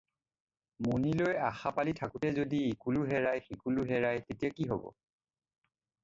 মণিলৈ আশা পালি থাকোঁতে যদি ইকুলো হেৰায়, সিকুলো হেৰায়, তেতিয়া কি হ'ব!